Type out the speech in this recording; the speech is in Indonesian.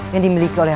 yang dimiliki oleh